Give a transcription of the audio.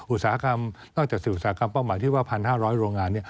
อุตสาหกรรมนอกจากสื่ออุตสาหกรรมเป้าหมายที่ว่า๑๕๐๐โรงงาน